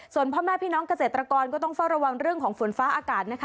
ส่วนพ่อแม่พี่น้องเกษตรกรก็ต้องเฝ้าระวังเรื่องของฝนฟ้าอากาศนะคะ